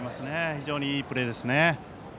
非常にいいプレーです。